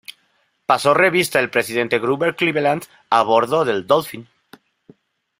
Pasó revista el presidente Grover Cleveland a bordo del "Dolphin".